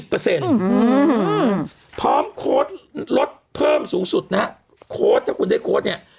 พร้อมโค้ดลดเพิ่มสูงสุดนะฮะโค้ดถ้าคุณได้โค้ดเนี่ย